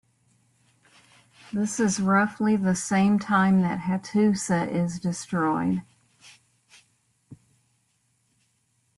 This is roughly the same time that Hattusa is destroyed.